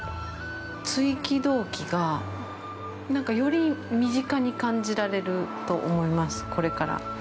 鎚起銅器がなんかより身近に感じられると思います、これから。